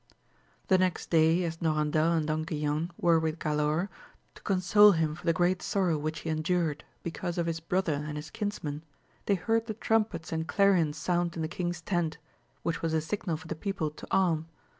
The next day as Norandel and Don Guilan were with Galaor, to console him for the great sorrow which he endured because of his brother and his kins men, they heard the trumpets and clarions sound in the king's tent, which was a signal for the people to arm.